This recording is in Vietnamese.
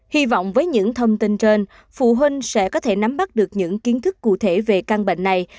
hy vọng với những thông tin trên phụ huynh sẽ có thể nắm bắt được những kiến thức cụ thể về căn bệnh này